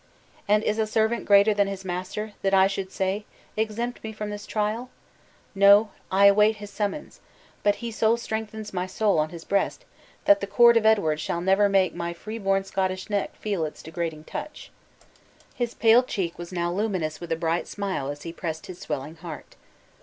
And is a servant greater than his master, that I should say, Exempt me from this trial? No! I await his summons, but he so strengthens my soul on his breast, that the cord of Edward shall never make my free born Scottish neck feel its degrading touch." His pale cheek was now luminous with a bright smile as he pressed his swelling heart.